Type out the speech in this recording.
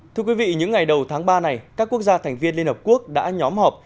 thưa quý vị những ngày đầu tháng ba này các quốc gia thành viên liên hợp quốc đã nhóm họp